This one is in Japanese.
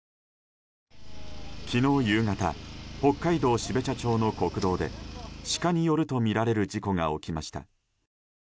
昨日夕方、北海道標茶町の国道でシカによるとみられる事故が起きました。